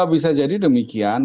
bisa jadi demikian